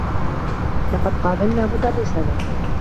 لقد قابلنا مدرّسنا.